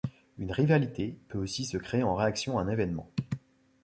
Une rivalité peut aussi se créer en réaction à un événement.